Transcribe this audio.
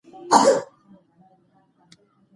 اداري عدالت د اوږدمهاله سولې برخه ده